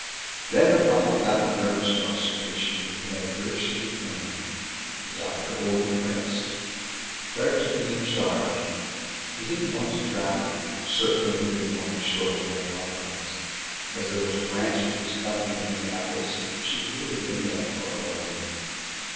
Then her father got the nervous prostration he had richly earned. The doctor ordered rest. Claire took him in charge. He didn't want to travel. Certainly he didn't want the shore or the Adirondacks. As there was a branch of his company in Minneapolis, she lured him that far away.